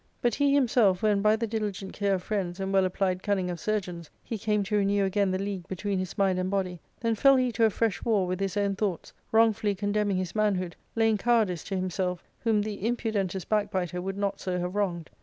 But he himself, when, by the diligent care of friends and well applied cunning of surgeons, he came to renew again the league between his mind and body, then fell he to a fresh war with his own thoughts, wrongfully con demning his manhood, laying cowardice to himself, whom the impudentest backbiter would not so have wronged.